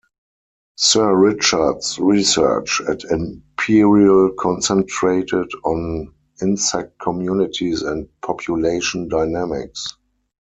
Sir Richard's research at Imperial concentrated on insect communities and population dynamics.